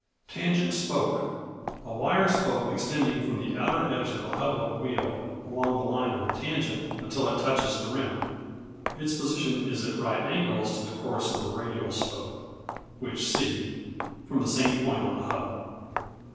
Tangent Spoke A wire spoke extending from the outer edge of the hub of a wheel along the line of a tangent until it touches the rim. Its position is at right angles to the course of a radial spoke (which see) from the same point on the hub.